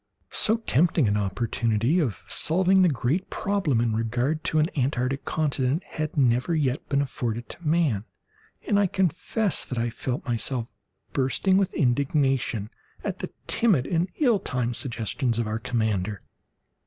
So tempting an opportunity of solving the great problem in regard to an Antarctic continent had never yet been afforded to man, and I confess that I felt myself bursting with indignation at the timid and ill timed suggestions of our commander.